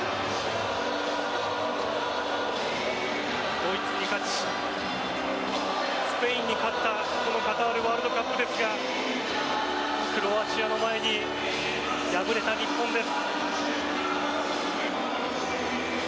ドイツに勝ちスペインに勝ったカタールワールドカップですがクロアチアの前に敗れた日本です。